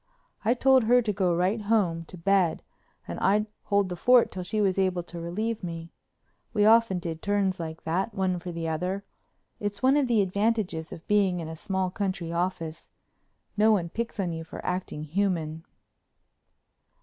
I told her to go right home to bed and I'd hold the fort till she was able to relieve me. We often did turns like that, one for the other. It's one of the advantages of being in a small country office—no one picks on you for acting human.